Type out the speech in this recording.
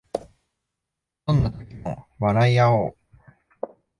どんな時も笑いあおう